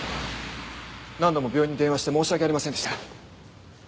何度も病院に電話して申し訳ありませんでした。